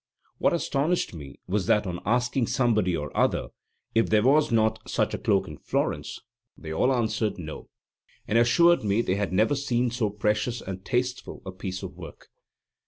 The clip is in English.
What astonished me was that on asking somebody or other if there was not such a cloak in Florence, they all answered "No," and assured me they never had seen so precious and tasteful a piece of work.